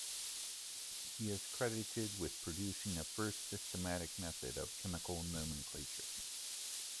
He is credited with producing the first systematic method of chemical nomenclature.